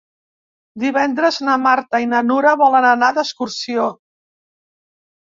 Divendres na Marta i na Nura volen anar d'excursió.